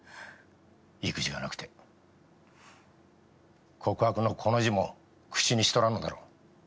意気地がなくて告白の「こ」の字も口にしとらんのだろう？